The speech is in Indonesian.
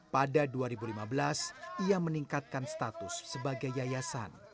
pada dua ribu lima belas ia meningkatkan status sebagai yayasan